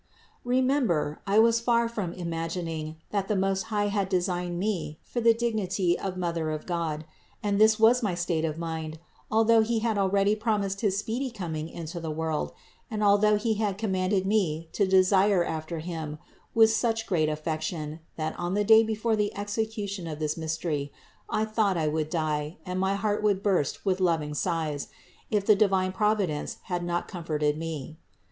122. Remember, I was far from imagining, that the Most High had designed me for the dignity of Mother of God; and this was my state of mind although He had already promised his speedy coming into the world and although He had commanded me to desire after Him with such great affection, that on the day before the execution of this mystery I thought I would die and my heart would burst with loving sighs, if the divine Providence had not comforted me.